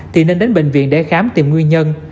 thì nên đến bệnh viện để khám tìm nguyên nhân